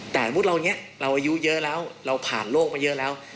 แต่สมมุติเราเนี่ยเราอายุเยอะแล้วเราผ่านโลกมาเยอะแล้ว